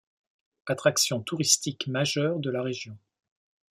Attraction touristique majeure de la région.